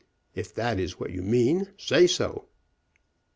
If that is what you mean, say so."